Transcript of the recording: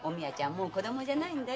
もう子どもじゃないんだよ。